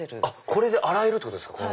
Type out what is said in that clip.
これで洗えるってことですか！